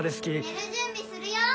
・寝る準備するよ！